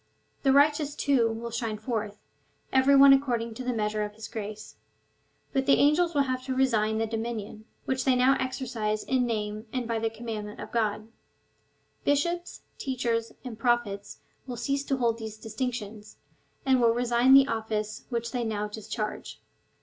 The righteous, too, will shine forth, every one according to the measure of his grace ; but the angels will have to resign the dominion, which they now exercise in the name and by the commandment of God. Bishops, teachers, and Prophets will cease to hold these distinctions, and will resign the office which they now discharge.